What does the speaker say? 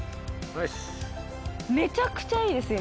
めちゃくちゃいいです今。